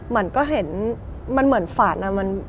มันก็เห็นมันเหมือนฝันอะ